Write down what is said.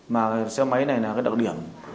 mà xe máy này là cái đặc điểm